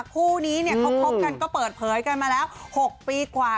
คู่นี้เนี่ยเขาคบกันก็เปิดเผยกันมาแล้ว๖ปีกว่า